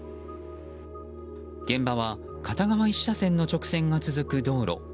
現場は片側１車線の直線が続く道路。